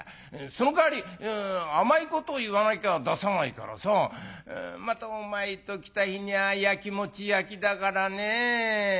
そのかわり甘いこと言わなきゃ出さないからさまたお前ときた日にゃあやきもちやきだからねぇ。